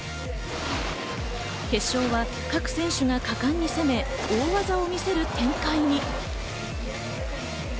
決勝は各選手が果敢に攻め、大技を見せる展開に。